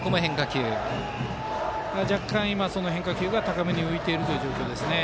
若干今、変化球が高めに浮いている状況です。